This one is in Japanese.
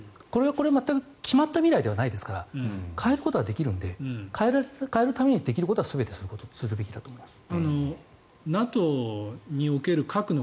これは全く決まった未来ではないですから変えることはできるので変えるためにできることは全てすべきだと思います。